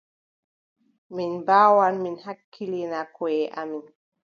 Min mbaawan min hakkila koʼe amin.